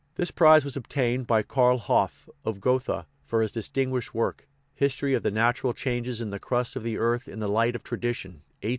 This prize was obtained by Karl Hoff , of Gotha, for his distinguished work, History of the Natural Changes in the Crust of the Earth in the Light of Tradition (1822 34).